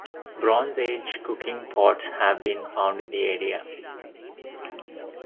Bronze Age cooking pots have been found in the area.